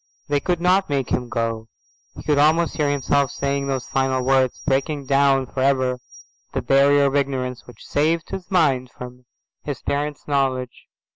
They could not make him go. He could almost hear himself saying those final words, breaking down for ever the barrier of ignorance which saved his mind from his parents' knowledge.